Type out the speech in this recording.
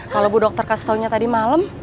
kalau bu dokter kasih tahunya tadi malam